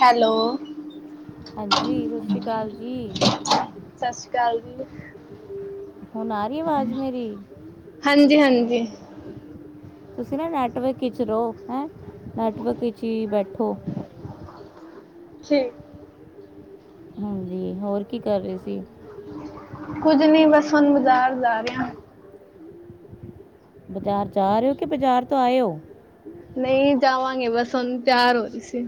Hello ਹਾਂਜੀ ਸਤਿ ਸ਼੍ਰੀ ਅਕਾਲ ਜੀ ਸਤਿ ਸ਼੍ਰੀ ਅਕਾਲ ਜੀ। ਹੁਣ ਆ ਰਹੀ ਆਵਾਜ਼ ਮੇਰੀ ਏ ਤੁਸੀਂ ਨਾ ਨੈਟਵਰਕ ਵਿਚ ਰਹੋ ਹੈਂ ਨੈਟਵਰਕ ਵਿਚ ਹੀ ਬੈਠੋ ਠੀਕ ਹਾਂਜੀ ਹੋਰ ਕੀ ਕਰ ਰਹੇ ਸੀ ਕੁੱਝ ਨਹੀਂ ਬਸ ਹੁਣ ਬਜ਼ਾਰ ਜਾ ਰਹੇ ਆ ਬਜ਼ਾਰ ਜਾ ਰਹੇ ਹੋ ਕੇ ਬਾਜ਼ਾਰ ਤੋਂ ਆਇਓ ਨਹੀਂ ਜਾਵਾਂਗੇ ਬਸ ਹੁਣ ਤਿਆਰ ਹੋ ਰਹੀ ਸੀ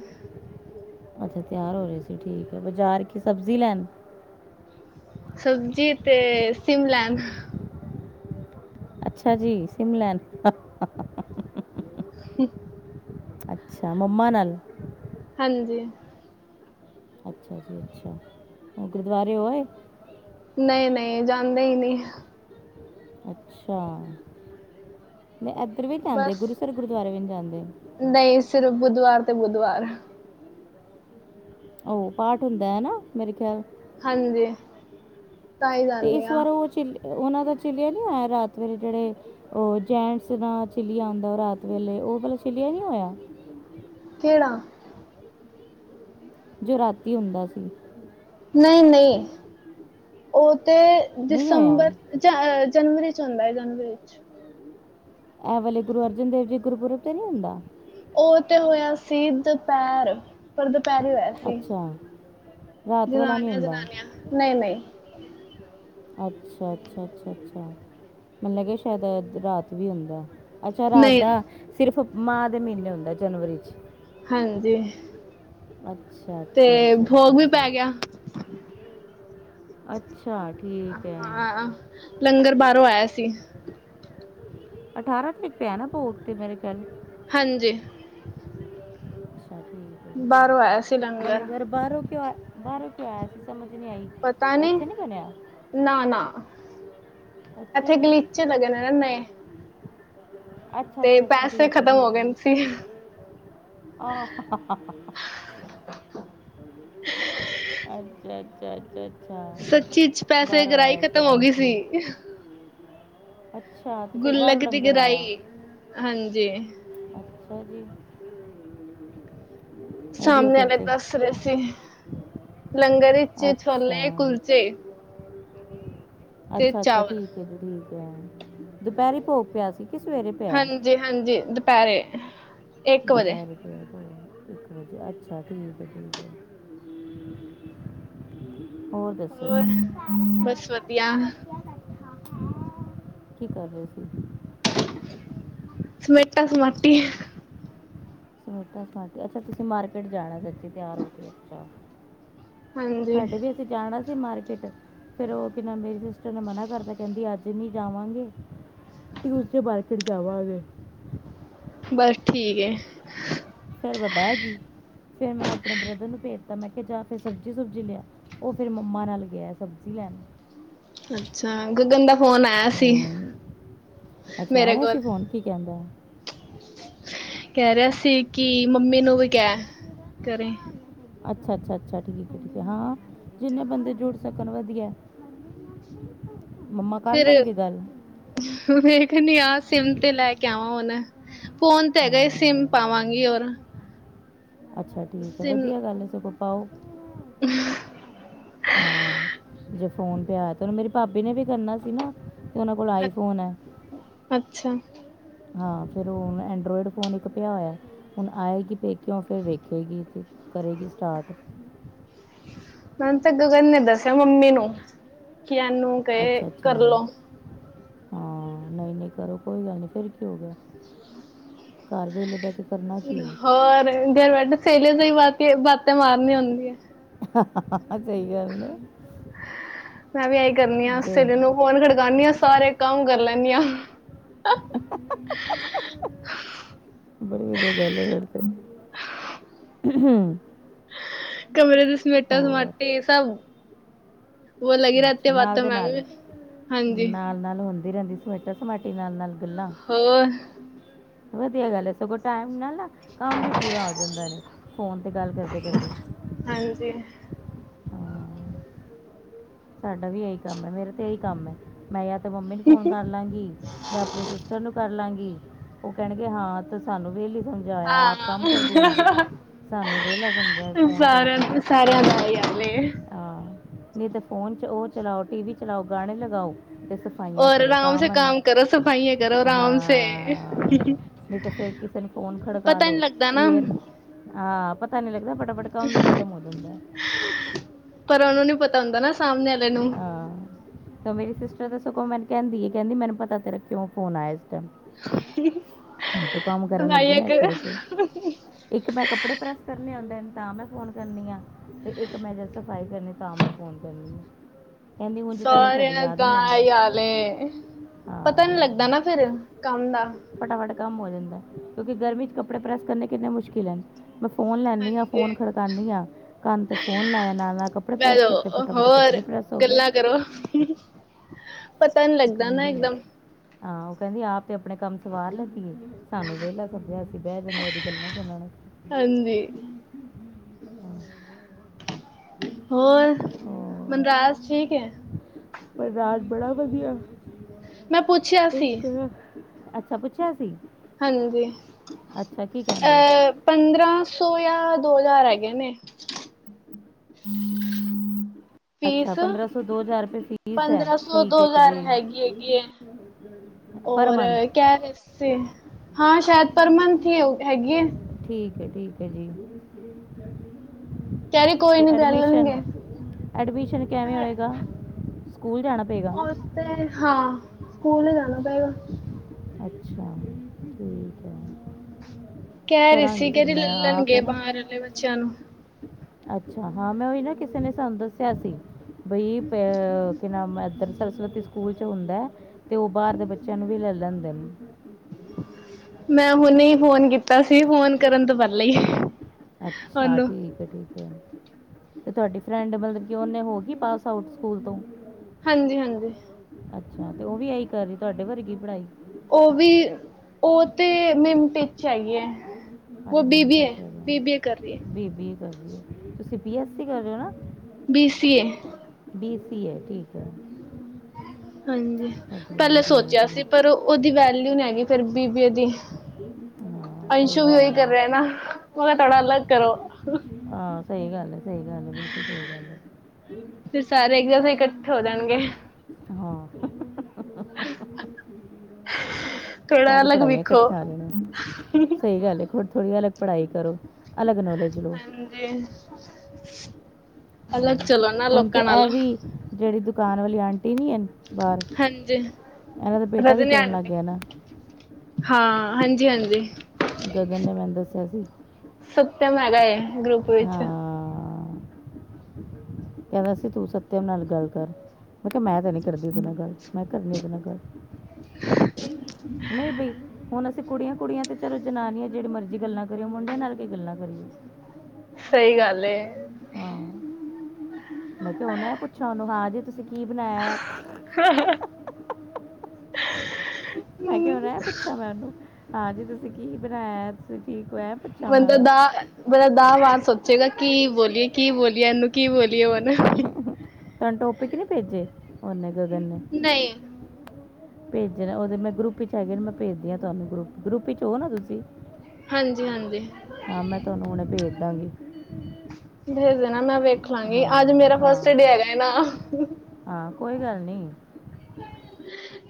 ੱਛ ਤਿਆਰ ਹੋ ਰਹੇ ਸੀ ਠੀਕ ਬਾਜ਼ਾਰ ਕੀ ਸਬਜ਼ੀ ਲੈਣ ਸਬਜੀ ਤੇ ਸਿਮ ਲੈਣ ਅੱਛਾ ਜੀ ਸਿਮ ਲੈਨ ਹਮ ਅੱਛਾ ਮੰਮਾ ਨਾਲ ਹਾਂਜੀ ਅੱਛਾ ਜੀ ਅੱਛਾ ਗੁਰਦੁਆਰੇ ਹੋ ਆਏ ਨਹੀਂ ਨਹੀਂ ਜਾਂਦੇ ਹੀ ਨਹੀਂ ਅੱਛਾ ਇੱਧਰ ਵੀ ਜਾਂਦੇ ਬਸ ਗੁਰੂਸਰ ਗੁਰਦੁਆਰੇ ਜਾਂਦੇ ਨਹੀਂ ਸਿਰਫ਼ ਬੁੱਧਵਾਰ ਤੇ ਬੁੱਧਵਾਰ ਉਹ ਪਾਠ ਹੁੰਦਾ ਹਨਾ ਮੇਰੇ ਖਿਆਲ ਹਾਂਜੀ ਤਾਂ ਹੀ ਤੇ ਜਾਂਦੇ ਇਸ ਆ ਵਾਰ ਉਹ ਚੀਜ਼ ਉਹਨਾਂ ਦਾ ਚਿੱਲਿਆ ਨਹੀਂ ਹੋਇਆ ਰਾਤ ਵੇਲੇ ਜਿਹੜੇ ਉਹ ਜੈਂਟਸ ਨਾਲ ਚਿੱਲਆ ਆਉਂਦਾ ਉਹ ਰਾਤ ਵੇਲੇ ਉਹ ਭਲਾ ਚਿੱਲਿਆ ਨਹੀਂ ਹੋਇਆ ਕਿਹੜਾ ਜੋ ਰਾਤੀ ਹੁੰਦਾ ਸੀ ਨਹੀਂ ਨਹੀਂ ਉਹ ਤੇ ਨਹੀਂ ਹੋਇਆ ਦਸੰਬਰ ਜਾਂ ਜਨਵਰੀ ਚ ਹੁੰਦਾ ਹੈ ਜਨਵਰੀ ਚ ਇਹ ਵਾਲੇ ਗੁਰੂ ਅਰਜਨ ਦੇਵ ਜੀ ਗੁਰਪੁਰਬ ਤੇ ਨਹੀਂ ਹੁੰਦਾ। ਉਹ ਤੇ ਹੋਇਆ ਸੀ ਦੁਪਹਿਰ ਪਰ ਪੈਰੀ ਹੋਇਆ ਸੀ ਅੱਛਾ ਰਾਤ ਵਾਲਾ ਨਹੀਂ ਜਨਾਨੀਆਂ ਹੁੰਦਾ ਜਨਾਨੀਆਂ ਨਹੀਂ ਨਹੀਂ ਅੱਛਾ ਅੱਛਾ ਅੱਛਾ ਅੱਛਾ ਮੈਨੂੰ ਲਗਿਆ ਸ਼ਾਇਦ ਰਾਤ ਵੀ ਹੁੰਦਾ ਅੱਛਾ ਰਾਤ ਨਹੀਂ ਦਾ ਸਿਰਫ ਮਾਂਹ ਦੇ ਮਹੀਨੇ ਹੁੰਦਾ ਜਨਵਰੀ 'ਚ ਹਾਂਜੀ ਅੱਛਾ ਤੇ ਅੱਛਾ ਅੱਛਾ ਅੱਛਾ ਭੋਗ ਵੀ ਪੈ ਗਿਆ ਅੱਛ ਹਾਂ ਲੰਗਰ ਬਾਰੋਂ ਆਇਆ ਸੀ। ਅਠਾਰਾਂ ਤਰੀਕ ਪਿਆ ਨਾ ਭੋਗ ਤੇ ਮੇਰੇ ਖਿਆਲ ਹਾਂਜੀ। ਅੱਛਾ ਬਾਹਰੋਂ ਆਇਆ ਸੀ ਲੰਗਰ ਬਾਰੋਂ ਕਿਊ ਬਾਹਰੋਂ ਕਿਊ ਆਇਆ ਸੀ ਸਮਝ ਨਹੀਂ ਆਈ ਪਤਾ ਨੀ ਇੱਥੇ ਨਹੀਂ ਬਣਿਆ ਨਾ-ਨਾ ਅੱਛਾ ਇੱਥੇ ਜੀ ਗਲੀਚੇ ਲੱਗਣੇ ਨਾ ਨਏ। ਤੇ ਅੱਛਾ-ਅੱਛਾ ਅੱਛਾ ਪੈਸੇ ਠੀਕ ਏ ਖਤਮ ਹੋ ਠੀਕ ਏ ਗਏ ਸੀ [unintelligible] [unintelligible] ਸੱਚੀ ਚ ਪੈਸੇ ਗਰਾਈ ਖਤਮ ਹੋ ਗੀ ਸੀ। ਅੱਛਾ ਤੇ ਫਿਰ ਬਾਹਰੋਂ ਗੁਲਕ ਦੀ ਲੰਗਰ ਆਇਆ ਗਰਾਈ ਹਾਂਜੀ [unintelligible] ਵਧੀਆ ਸਾਮਣੇ ਫਿਰ ਆਲੇ ਤੇ ਦੱਸ ਰੇ ਸੀ ਲੰ ਗਰ ਵਿੱਚ ਅੱਛਾ ਛੋਲੇ ਕੁਲਚੇ। ਤੇ ਅੱਛਾ-ਅੱਛਾ ਚਾਵਲ ਠੀਕ ਏ ਜੀ ਠੀਕ [unintelligible] ਦੁਪਹਿਰੇ ਭੋਗ ਪਿਆ ਸੀ ਕਿ ਸਵੇਰੇ ਪਿਆ ਹਾਂਜੀ-ਹਾਂਜੀ ਦੁਪਹਿਰੇ ਇੱਕ ਦੁੱ ਧ ਵਜੇ ਪੈਰੇ ਇੱਕ ਵਜੇ ਅੱਛਾ ਠੀਕ ਐ ਠੀਕ ਐ ਹੋਰ ਦੱਸੋ ਬਸ ਵਧੀਆ ਕੀ ਕਰ ਰੇ ਸੀ ਸਮੇਟਾ ਸਮਾਟੀ। ਸਮੇਟ ਸਮਾਟੀ ਅੱਛਾ ਤੁਸੀਂ ਮਾਰਕੀਟ ਜਾਣਾ ਸੱਚੀ ਤਿਆਰ ਹੋ ਕੇ ਅੱਛਾ ਹਾਂਜੀ ਸਾਡੇ ਵੀ ਅਸੀਂ ਜਾਣਾ ਵੀ ਮਾਰਕੀਟ ਫਿਰ ਓ ਕੀ ਨਾਮ ਮੇਰੀ ਸਿਸਟਰ ਨੇ ਮਨਾ ਕਰਤਾ ਕੈਂਦੀ ਅੱਜ ਨੀ ਜਾਵਾਂਗੇ ਟੀਉਸਡੇ ਮਾਰਕਿਟ ਜਾਵਾਂਗੇ। ਬਸ ਠੀਕ ਏ ਫਿਰ ਮੈਂ ਬੈਗੀ ਫੇਰ ਮੈਂ ਆਪਣੇ ਬ੍ਰਦਰ ਨੂੰ ਭੇਜਤਾ ਮੈਂ ਕਿਆ ਜਾ ਫਿਰ ਸਬਜ਼ੀ ਸੁਬਜੀ ਲਿਆ ਓ ਫਿਰ ਮੰਮਾ ਨਾਲ ਗਿਆ ਐ ਸਬਜ਼ੀ ਲੈਣ। ਅੱਛਾ ਗਗਨ ਦਾ ਫੋਨ ਆਇਆ ਸੀ ਅਮ, ਅੱਛਾ ਮੇਰੇ ਆਇਆ ਸੀ ਕੋਲ। ਫੋਨ ਕੀ ਕਹਿੰਦਾ ਕੈ ਰਿਆ ਸੀ ਕੀ ਮੰਮੀ ਨੂੰ ਵੀ ਕੈ ਕਰੇ ਅੱਛਾ-ਅੱਛਾ-ਅੱਛਾ ਠੀਕ ਐ ਠੀਕ ਐ ਹਾਂ ਜਿੰਨੇ ਬੰਦੇ ਜੁੜ ਸਕਣ ਵਧੀਆ। ਮੰਮਾ ਕਰ ਫਿਰ ਲੈਣਗੇ ਗੱਲ ਵੇਖਨੀ ਆ ਸਿਮ ਤੇ ਲੈ ਕੇ ਆਵਾਂ ਹੁਨ ਫੋਨ ਤੇ ਹੈਗਾ ਏ ਸਿਮ ਹਾਂ ਪਾਵਾਂਗੀ ਹੋਰ। ਅੱਛਾ ਠੀਕ ਹੈ, ਵਧੀਆ ਗੱਲ ਹੈ ਸਗੋਂ। ਪਾਓ। ਹ [unintelligible] ਹਾਂ ਜੇ ਫੋਨ ਤੇ ਆਯਾ ਤੋਣੇ ਮੇਰੀ ਭਾਬੀ ਨੇ ਵੀ ਕਰਨਾ ਸੀ ਨਾ। ਤੇ ਔਨਾਂ ਕੋਲ ਆਈਫੋਨ ਹੈ। ਅੱਛਾ ਹਾਂ, ਫਿਰ ਔ ਐਂਡਰੋਇਡ ਫੋਨ ਇੱਕ ਪਿਆ ਹੋਯੈ, ਹੁਣ ਆਏਗੀ ਪੇਕਓ ਫਿਰ ਵੇਖੇਗੀ ਕਰੇਗੀ ਸਟਾਰਟ। ਮੈਨ ਤੇ ਗਗਨ ਨੇ ਦੱਸਿਆ ਮੰਮੀ ਨੂੰ। ਕਿ ਐਨੂੰ ਕਏ ਅੱਛਾ ਅੱਛਾ ਕਰਲੋ। ਹਾਂ, ਨਹੀਂ ਨਹੀਂ ਕਰੋ ਕੋਈ ਗੱਲ ਨੀ ਫੇਰ ਕਿ ਹੋ ਗਿਆ ਘਰ ਵੇਲੇ ਬੈ ਕੇ ਕਰਨਾ ਕੀ ਹੈ ਹੋਰ ਦੇਲ ਵਡੇ ਸੇਲੇ ਸੇ ਵੱਧ ਤੇ ਬੱਤ ਤੇ ਮਾਰਨੀ ਹੋੰਦੀ ਏ। ਸਹੀ ਗੱਲ ਨੇ। ਮੈਂ ਵੀ ਐਹੀ ਕਰਨੀ ਆ ਜ ਸੇਲੀ ਨੂੰ ਫੋਨ ਖੜਕਾਣੀ ਆਂ। ਸਾਰੇ ਕੰਮ ਕਰ ਲੈਂਣੀ ਆਂ। ਬੜੀ ਵਧੀਆ ਗੱਲ ਏ, ਫੇਰ ਤੇ। ਉਹੂੰ। ਕਮਰੇ ਦੇ ਸਮੇਟਾ ਸਮਾਟੇ ਸਭ ਵੋ ਲੱਗੀ ਰੈ ਤੀ ਅੱਛਾ ਐ ਨਾਲ ਵਾਤੋ ਦੇ ਮੇ, ਮੈਂ ਵੀ ਹਾਂਜੀ। ਦੀ ਰੈੰਦੀ ਸਮੇਟਾ ਸਮਾਟ ਹੋਰ? ਵਧੀਆ ਗੱਲ ਐ, ਸਗੋਂ ਟੈਮ ਨਾਲ ਨਾ ਕੰਮ ਵੀ ਪੂਰਾ ਹੋ ਜਾਂਦਾ ਨੇ, ਫੋਨ ਤੇ ਗੱਲ ਕਰਦੇ ਕਰਦੇ। ਹਾਂਜੀ ਹਾਂ ਸਾਡਾ ਵੀ ਏਹੀ ਕੰਮ ਹੈ, ਮੇਰੇ ਤੇ ਏਹੀ ਕੰਮ ਐ। ਮੈਂ ਯਾ ਤੇ ਮੰਮੀ ਨੂੰ ਫੋਨ ਕਰ ਲਾਂਗੀ, ਯਾ ਅਪਣੀ ਸਿਸਟਰ ਨੂੰ ਕਰ ਲਾਂਗੀ। ਔ ਕੈਣਗੇ ਹਾਂ ਤੇ ਸਾਨੂੰ ਵੇਲੀ ਸਮਝਿਆ ਹੋਯੈ, ਆਪ ਕੰਮ ਹਾਂ ਕਰਦੀ ਰੈੰਦੀ, ਸਾਨੂੰ ਵੇਲਾ ਸਮਝਿਆ ਹੋਯੈ ਫੋਨ ਕਰਕੇ, ਸਾਰਿਆਂ ਸਾਰਿਆਂ ਦਾ ਹੀ ਹਾਲ ਏ। ਆਹ ਨਹੀਂ ਤੇ ਤੇ ਓਹ ਚਲਾਓ, ਟੀ ਵੀ ਚਲਾਓ, ਗਾਣੇ ਲਗਾਓ। ਤੇ ਸਫਾਈਆਂ ਔਰ ਕਰੋ ਆਰਾਮ ਤਾਂ ਸੇ ਕੰਮ ਕਰੋ ਸਫਾਈਆਂ ਕਰੋ ਆਰਾਮ ਸੇ ਮਨ--ਹਾਂ ਨਹੀਂ ਤੇ ਫੇਰ ਕਿਸੇ ਨੂੰ ਫੋਨ ਖੜਕਾ ਪਤਾ ਨੀ ਲੋ, ਲੱਗਦਾ ਨਾ। ਈਅਰ ਆਪ ਪਤਾ ਨੀ ਲੱਗਦਾ ਫਟਾਫਟ ਕੰਮ ਵੀ ਖ਼ਤਮ ਹੋ ਜਾਂਦੈ। ਤਾ ਹੋੰਦੈ ਨਾ ਸਾਹਮਣੇ ਅਲ ਆਹ ਤਾ ਮੇਰੀ ਸਿਸਟਰ ਤੇ ਸਗੋ ਮੈਨ ਕਹਿੰਦੀ ਹੈ ਕਹਿੰਦੀ ਮੈਨੂੰ ਪਤਾ ਤੇਰਾ ਕਿਉਂ ਫੋਨ ਆਇਆ ਸੀ। ਤੂੰ ਕੰਮ ਕਰਨ ਲੱਗੀ ਸਫਾਈਆਂ ਨਾ ਇਸ ਕਰ ਕਰਕੇ ਇੱਕ ਮੈਂ ਕੱਪੜੇ ਪ੍ਰੈਸ ਕਰਨੇ ਹੁਂਦੇ ਨ ਤਾਂ ਮੈਂ ਫੋਨ ਕਰਨੀ ਆ, ਤੇ ਇੱਕ ਮੈਂ ਜਦ ਸਫਾਈ ਕਰਨੀ ਤਾਂ ਮੈਂ ਫੋਨ ਕਰਨੀ ਆਂ ਸਾਰਿਆਂ ਦਾ ਏਹੀ ਆਉਂਦੀ ਹਾਲ ਐ, ਪਤਾ ਨਹੀ ਹਾਂ ਲੱਗਦਾ ਨਾ ਫਿਰ ਕੰਮ ਦਾ ਫਟਾਫਟ ਕੰਮ ਹੋ ਜਾਂਦਾ ਕਿਉਂਕਿ ਗਰਮੀ ਚ ਕਪੜੇ ਪ੍ਰੈਸ ਕਰਨੇ ਕਿੰਨੇ ਮੁਸ਼ਕਿਲ ਐ ਫੋਨ ਲੈਂਦੀ ਹਾਂ ਹਾਂਜੀ ਫੋਨ ਖੜਕਾਉਂਦੀ ਹਾਂ ਕੰਨ ਤੇ ਫੋਨ ਲਾਇਆ ਨਾਲ- ਨਾਲ ਕੱਪੜੇ ਪ੍ਰੈਸ ਬੈਜੋ ਕੀਤੇ ਫਟਾ ਫਟ ਕੱਪੜੇ ਹੋਰ ਪ੍ਰੈਸ ਹੋ ਗਏ ਗੱਲਾਂ ਕਰੋ ਪਤਾ ਨਹੀ ਲੱਗਦਾ ਨਾ ਇੱਕਦਮ ਕੈਹਿੰਦੀ ਆਪ ਤੇ ਆਪਣੇ ਕੰਮ ਸਵਾਰ ਲੈਂਦੀਏ ਸਾਨੂੰ ਵਿਹਲਾ ਸਮਝੀਆ ਅਸੀਂ ਬਹਿ ਜਾਂਦੇ ਹਾਂ ਇਹਦੀ ਗੱਲਾਂ ਸੁ ਹਾਂਜੀ [inaudible] ਰਾਜ ਠੀਕ ਹੈ। ਰਾਜ ਬੜਾ ਵਧੀਆ । ਮੈਂ ਪੁੱਛਿਆ ਸੀ। ਅੱਛਾ ਪੁੱਛਿਆ ਸੀ। ਹਾਂਜੀ ਅੱਛਾ ਕੀ ਕਹਿੰਦੇ ਅਹ ਪੰਦਰਾਂ ਸੌ ਜਾਂ ਦੋ ਹਜ਼ਾਰ ਹੈਗੇ ਨੇ ਫੀਸ ਅੱਛਾ ਰੁਪਏ ਫੀਸ ਹੈ ਪੰਦਰਾਂ ਸੌ ਦੋ ਠੀਕ ਹੈ ਹਜ਼ਾਰ ਜੀ ਹੈਗੀ ਹੈਗੀ ਹੈ। ਪਰ ਔਰ ਮੰਥ ਕਹਿ ਰਹੇ ਸੀ ਹਾਂ ਸ਼ਾਇਦ ਪਰ ਮੰਥ ਹੀ ਹੈਗੀ ਹੈ। ਠੀਕ ਹੈ। ਜੀ ਕਹਿ ਰਹੀ ਕੋਈ ਤੇ ਨੀ ਲੈ ਐਡਮਿਸ਼ਨ- ਲੈਣਗੇ ਐਡਮਿਸ਼ਨ ਕਿਵੇਂ ਹੋਏਗਾ। ਸਕੂਲ ਜਾਣਾ ਪਏਗਾ ਉਤੇ ਹਾਂ ਸਕੂਲ ਹੀ ਜਾਣਾ ਪਏਗਾ। ਅੱਛਾ ਠੀਕ ਹੈ। ਕਹਿ ਰਹੀ ਸੀ ਕਰਾਂਗੀ ਫਿਰ ਕਿਹਦੀ ਲੈ ਮੈਂ ਆ ਲੈਣਗੇ ਕੇ ਨਾ ਬਾਹਰ ਵਾਲੇ ਬੱਚਿਆਂ ਨੂੰ ਅੱਛਾ ਹਾਂ ਮੈਂ ਉਹੀ ਨਾ ਕਿਸੇ ਨੇ ਦੱਸਿਆ ਸੀ ਬਈ ਸਰਸਵਤੀ ਸਕੂਲ ਚ ਹੁੰਦਾ, ਤੇ ਉਹ ਬਾਹਰ ਦੇ ਬੱਚਿਆਂ ਨੂੰ ਵੀ ਲੈ ਲੈਂਦੇ ਨੇ ਮੈਂ ਹੁਨੇ ਹੀ ਫੋਨ ਕੀਤਾ ਸੀ ਫੋਨ ਕਰਨ ਤੋਂ ਪਹਿਲਾਂ ਹੀ ਅੱਛਾ ਉਹਨੂੰ। ਠੀਕ ਹੈ। ਠੀਕ ਹੈ। ਤੁਹਾਡੀ ਫਰੈਂਡ ਮਤਲਬ ਕਿ ਉਹਨੇ ਹੋ ਗਈ ਪਾਸ ਆਊਟ ਸਕੂਲ ਤੋਂ ਹਾਂਜੀ -ਹਾਂਜੀ। ਅੱਛਾ ਤੇ ਉਹ ਵੀ ਆਹੀ ਕਰ ਰਹੀ ਤੁਹਾਡੇ ਵਰਗੀ ਪੜ੍ਹਾਈ ਉਹ ਵੀ ਉਹ ਤੇ ਮੈਮ ਹੈਗੀ ਹੈ। ਹ ਉਹ ਬੀ ਬੀ ਏ ਮਿੰਚ ਬੀ ਬੀ ਏ ਕਰ ਰਹੀ ਹੈ ਬੀਬੀ ਏ ਕਰੀ ਏ ਤੁਸੀ ਬੀ ਐਸ ਸੀ ਕਰ ਰਹੇ ਹੋ ਨਾ। B CA B C A ਹੈ। ਠੀਕ ਹੈ। ਹਾਂਜੀ ਵਧੀਆ ਪਹਿਲੇ ਵਧੀਆ ਸੋਚਿਆ ਵਧੀਆ ਸੀ ਪਰ ਉਹਦੀ ਵੈਲਿਊ ਨਹੀ ਹੈਗੀ ਫਿਰ ਬੀ ਬੀ ਏ ਦੀ ਹਾਂ ਸਹੀ ਅੰਸ਼ੂ ਵੀ ਉਹੀ ਗੱਲ ਹੈ ਕਰ ਰਿਹਾ ਨਾ ਕਿਹਾ ਥੋੜ੍ਹਾ ਅਲੱਗ ਕਰੋ। ਹਾਂ ਸਹੀ ਗੱਲ ਹੈ। ਸਹੀ ਗੱਲ ਹੈ, ਬਿਲਕੁਲ ਸਹੀ ਗੱਲ ਹੈ। ਫਿਰ ਸਾਰੇ ਇੱਕ ਜੈਸੇ ਇਕੱਠੇ ਹੋ ਜਾਣਗੇ ਹਾਂ। ਥੋੜਾ ਸਾਰੀ ਅਲੱਗ ਪੜ੍ਹਾਈਆਂ ਵਿਖੋ। ਇਕੱਠੀਆਂ ਆ ਜਾਣਗੀਆਂ, ਸਹੀ ਗੱਲ ਏ। ਥੋੜ੍ਹੀ ਅਲਗ ਪੜ੍ਹਾਈ ਕਰੋ। ਅਲੱਗ ਨੌਲੇਜ ਲਓ ਹਾਂਜੀ। ਹਾਂ ਅਲਗ ਚਲੋ ਉਹਨਾ ਹੁਣ ਤੇ ਲੋਕਾਂ ਇਹ ਨਾਲੋਂ। ਵੀ ਜਿਹੜੀ ਦੁਕਾਨ ਵਾਲੀ ਆਂਟੀ ਨੀ ਇਹਨ ਹਾਂਜੀ, ਵੀ ਰਜਨੀ ਕਰਨ ਲੱਗ ਆਂਟੀ, ਗਿਆ ਨਾ ਹਾਂ। ਹਾਂਜੀ-ਹਾਂਜੀ। ਗਗਨ ਨੇ ਮੈਨੂੰ ਦੱਸਿਆ ਸੀ। ਸਤਿਅਮ ਹੈਗਾ ਏ। ਗਰੁੱਪ ਵਿੱਚ ਹਾਂ। ਕਹਿੰਦਾ ਸੀ ਤੂੰ ਸਤਿਅਮ ਨਾਲ ਗੱਲ ਕਰ, ਮੈਂ ਕਿਹਾ ਮੈਂ ਤਾਂ ਨਹੀਂ ਕਰਦੀ ਉਹਦੇ ਨਾਲ ਗੱਲ, ਮੈਂ ਕਰਨੀ ਉਹਦੇ ਨਾਲ ਗੱਲ। ਨਹੀਂ ਬਈ। ਹੁਣ ਅਸੀਂ ਕੁੜੀਆਂ-ਕੁੜੀਆਂ ਤੇ ਚਲੋ ਜਨਾਨੀਆਂ ਜਿਹੜੀ ਮਰਜ਼ੀ ਗੱਲਾਂ ਕਰੀਓ। ਮੁੰਡਿਆਂ ਨਾਲ ਕੀ ਗੱਲਾਂ ਕਰੀਏ। ਸਹੀ ਗੱਲ ਏ। ਹਾਂ ਮੈਂ ਕਿਹਾ ਹੁਨ ਇਹ ਪੁੱਛਾਂ ਉਹਨੂੰ, ਹਾਂ ਜੀ ਤੁਸੀਂ ਕੀ ਬਣਾਇਆ? ਮੈਂ ਕਿਹਾ ਹੁਨ ਇਹ ਪੁੱਛਿਆ ਮੈਂ ਉਹਨੂੰ। ਹਾਂਜੀ, ਤੁਸੀਂ ਕੀ ਬਣਾਇਆ, ਤੁਸੀਂ ਠੀਕ। ਹੋ ਐ ਪੁੱਛਾਂ ਮੈਂ ਬੰਦਾ ਉਹਨੂੰ ਦ ਬੰਦਾ ਦਾ ਵਾਰ ਸੋਚੇਗਾ। ਕੀ ਬੋਲੀਏ, ਕੀ ਬੋਲੀਏ ਇਹਨੂੰ ਕੀ ਬੋਲੀਏ ਹੁਣ। ਤੁਹਾਨੂੰ ਟੋਪਿਕ ਨੀ ਭੇਜੇ ਉਹਨੇ। ਗਗਨ ਨੇ। ਨਹੀਂ ਭੇਜਣਾ ਉਹਦੇ ਮੈਂ ਗਰੁੱਪ ਚ ਹੈਗੇ, ਮੈਂ ਭੇਜਦੀ ਹਾਂ ਤੁਹਾਨੂੰ ਗਰੁੱਪ ਗਰੁੱਪ ਚ ਹੋ ਨਾ ਤੁਸੀਂ। ਹਾਂਜੀ ਹਾਂਜੀ ਹਾਂ ਮੈਂ ਤੁਹਾਨੂੰ ਹੁਣੇ ਭੇਜ ਹਾ ਜੀ ਭੇਜ ਦੇਣਾ, ਮੈਂ ਵੇਖ ਲਾਂਗੀ ਅੱਜ ਮੇਰਾ ਫਸਟ ਹਾਂ ਡੇ ਹੈਗਾ [unintelligible] ਹਾਂ ਕੋਈ ਗੱਲ ਨੀ।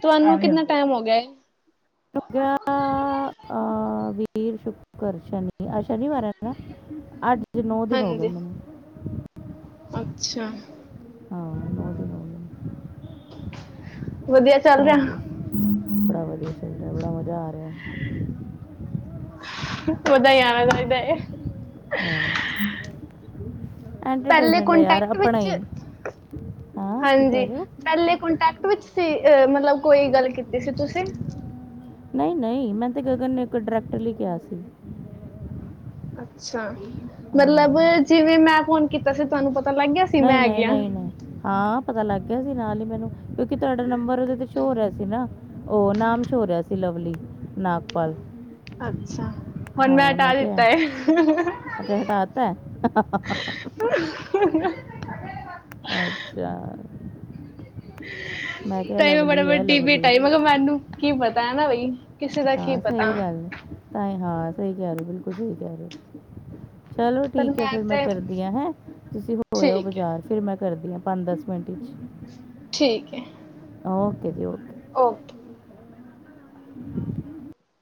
ਤੁਹਾਨੂੰ ਕਿਤਨਾ ਹੁੰਦਾ ਟਾਈਮ ਹੋ ਗਿਆ। ਗਿਆ ਅਹ, ਵੀਰ ਸ਼ੁੱਕਰ ਸ਼ਨੀ ਆਜ ਸ਼ਨੀਵਾਰ ਹੈ ਨਾ ਆਜ ਅੱਜ ਨੌ ਦਿਨ ਹੋ ਗਏ ਹਾਂਜੀ ਮੈਨੂੰ। ਅੱਛਾ ਹਾਂ ਗ਼ਲਤ ਗੱਲ ਹੈ ਵਧੀਆ ਚੱਲ ਰਿਹਾ ਮੇਰਾ ਵਦੀਆ [unintelligible] ਬੜਾ ਮਜ਼ਾ ਆ ਰਿਹਾ ਪਤਾ ਹੀ ਆਣਾ ਚਾਹੀਦਾ ਹੈ ਹਾਂ [unintelligible] ਪਹਿਲੇ ਐਂਟਰਟੇਨਮੈਂਟ ਹੈ ਯਾਰ ਕੋਂਟੈਕਟ ਆਪਣਾ ਵਿਚ ਹੀ ਹਾਂ ਕੀ ਹਾਂਜੀ ਕਹਿ ਰਹੇ ਹੋ ਪਹਿਲੇ ਕੋਂਟੈਕਟ ਵਿਚ ਸੀ ਮਤਲਬ ਕੋਈ ਗੱਲ ਕੀਤੀ ਸੀ ਤੁਸੀਂ ਨਹੀਂ ਨਹੀਂ ਮੈਂ ਤੇ ਗਗਨ ਨੇ ਇੱਕ ਡਰੈਕਟਰ ਲਈ ਕਿਹਾ ਸੀ ਅੱਛਾ ਅੱਛਾ ਮਤਲਬ ਹਾਂ ਜਿਵੇਂ ਮੈਂ ਫੋਨ ਕੀਤਾ ਤੁਹਾਨੂੰ ਪਤਾ ਲੱਗ ਗਿਆ ਸੀ ਨਹੀਂ ਮੈਂ ਹੈਗੀ ਨਹੀਂ ਆ ਨਹੀਂ ਨਹੀਂ ਹਾਂ ਪਤਾ ਲੱਗ ਗਿਆ ਨਾਲ ਹੀ ਮੈਨੂੰ ਕਿਉਂਕਿ ਤੁਹਾਡਾ ਨੰਬਰ ਉਹਦੇ ਤੇ ਛੋ ਰਿਹਾ ਸੀ ਨਾ ਉਹ ਨਾਮ ਛੋ ਹੋ ਰਿਹਾ ਸੀ ਲਵਲੀ ਨਾਗਪਾਲ ਅੱਛਾ ਹੁਣ ਮੈ ਹਾਂ ਟਆ ਮੈਂ ਕਿਹਾ ਦਿੱਤਾ ਹੈ ੇ ਅੱਛਾ ਹਟਾਤਾ ਹੈ? [unintelligible] ਅੱਛਾ ਮੈਂ ਕਿਹਾ ਤਾਂਵੇੈਂ ਬੜਾ ਲਵਲੀ ਹੈ ਵੱਡੀ ਭੇਟਾ ਲਵਲੀ ਮੈਂ ਕਿਹਾ ਮੈਨੂੰ ਕੀ ਪਤਾ ਹੈ ਨਾ ਬਾਈ ਹਾਂ ਸਹੀ ਗੱਲ ਤਾਂਹੀ ਹਾਂ ਸਹੀ ਕਹਿ ਰਹੇ ਹੋ ਬਿਲਕੁਲ ਸਹੀ ਕਹਿ ਰਹੇ ਹੋ ਚਲੋ ਪਰ ਠੀਕ ਹੈ ਫਿਰ ਮੈਂ ਤੇ ਕਰਦੀ ਹਾਂ ਹੈਂ ਤੁਸੀਂ ਹੋ ਹੋ ਠੀਕ ਹੈ ਬਾਜ਼ਾਰ ਫਿਰ ਮੈਂ ਕਰਦੀਆਂ ਪੰਜ ਦਸ ਮਿੰਟ 'ਚ ਠੀਕ ਹੈ ਓਕੇ ਓਕੇ [unintelligible]